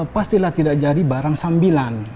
pastilah tidak jadi barang sambilan